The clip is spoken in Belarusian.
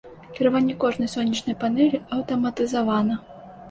Кіраванне кожнай сонечнай панэллю аўтаматызавана.